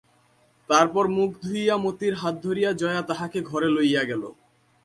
তারপর মুখ ধুইয়া মতির হাত ধরিয়া জয়া তাহাকে ঘরে লইয়া গেল।